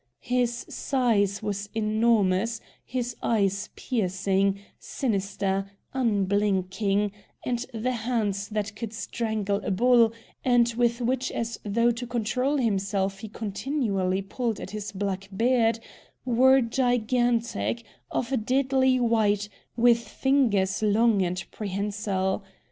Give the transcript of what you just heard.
His size was enormous, his eyes piercing, sinister, unblinking, and the hands that could strangle a bull, and with which as though to control himself, he continually pulled at his black beard, were gigantic, of a deadly white, with fingers long and prehensile.